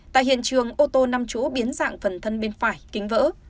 tại hiện trường ô tô năm chỗ biến dạng phần thân bên phải kính vỡ